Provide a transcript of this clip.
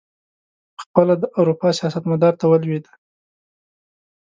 پخپله د اروپا سیاست مدار ته ولوېدی.